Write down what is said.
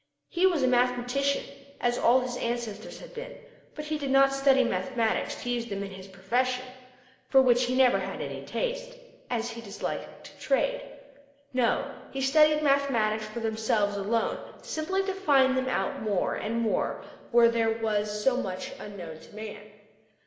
He was a mathematician, as all his ancestors had been, but he did not study mathematics to use them in his profession, for which he never had any taste, as he disliked trade. No, he studied mathematics for themselves alone, simply to find them out more and more where there was so much unknown to man.